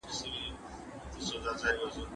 د وضعي قوانینو په پرتله شریعت غوره دی.